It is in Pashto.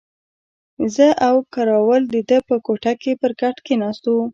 زه او کراول د ده په کوټه کې پر کټ کښېناستو.